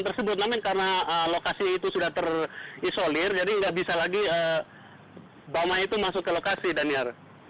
tapi buat nama nama karena lokasi itu sudah terisolir jadi nggak bisa lagi bama itu masuk ke lokasi daniar